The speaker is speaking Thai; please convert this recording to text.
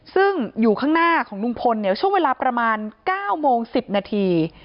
ซึ่งอยู่ข้างหน้าของลุงพลเนี่ยช่วงเวลาประมาณ๙โมง๑๐นาที